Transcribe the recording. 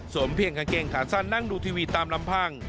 เพียงกางเกงขาสั้นนั่งดูทีวีตามลำพัง